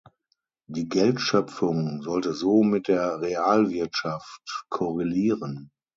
Die Geldschöpfung sollte so mit der Realwirtschaft korrelieren.